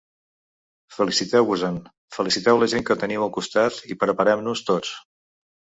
Feliciteu-vos-en, feliciteu la gent que teniu al costat i preparem-nos tots.